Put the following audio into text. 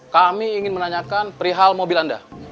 kami ingin menanyakan perihal mobil anda